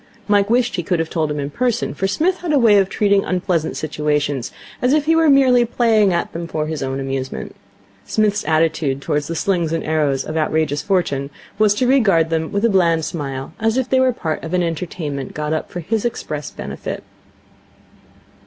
Mike wished he could have told him in person, for Psmith had a way of treating unpleasant situations as if he were merely playing at them for his own amusement. Psmith's attitude towards the slings and arrows of outrageous Fortune was to regard them with a bland smile, as if they were part of an entertainment got up for his express benefit.